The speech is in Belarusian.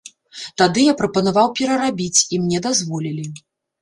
Тады я прапанаваў перарабіць, і мне дазволілі.